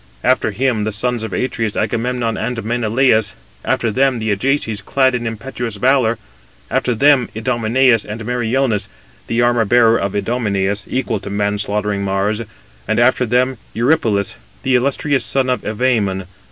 After him the sons of Atreus, Agamemnon and Menelaus; after them the Ajaces, clad in impetuous valour; after them, Idomeneus and Meriones, the armour bearer of Idomeneus, equal to man slaughtering Mars; and after them Eurypylus, the illustrious son of Evæmon.